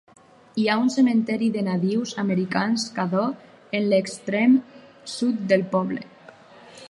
Hi ha un cementiri de nadius americans Caddo en l'extrem sud del poble.